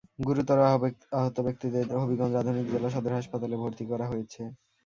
গুরুতর আহত ব্যক্তিদের হবিগঞ্জ আধুনিক জেলা সদর হাসপাতালে ভর্তি করা হয়েছে।